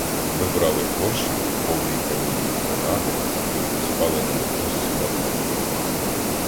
Ми брали горщик, повний каміння й принади, і опускали на мотузці на дно.